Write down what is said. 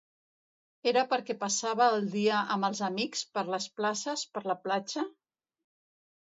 Era perquè passava el dia amb els amics, per les places, per la platja?